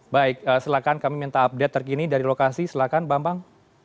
baik silahkan kami minta update terkini dari lokasi silakan bambang